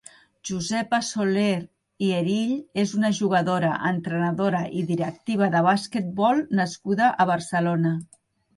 Josepa Soler i Erill és una jugadora, entrenadora i directiva de basquetbol nascuda a Barcelona.